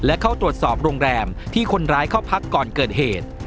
และเข้าตรวจสอบโรงแรมที่คนร้ายเข้าพักก่อนเกิดเหตุ